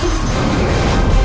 aku mau kesana